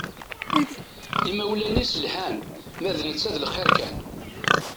Imawlan-is lhan, ma d netta d lxiṛ kan.